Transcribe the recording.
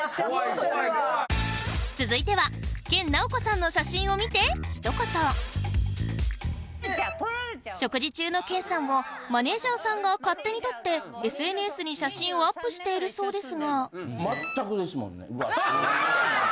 続いては研ナオコさんの写真を見て一言食事中の研さんをマネージャーさんが勝手に撮ってＳＮＳに写真をアップしているそうですが全くですもんね。